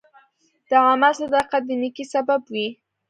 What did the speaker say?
د عمل صداقت د نیکۍ سبب دی.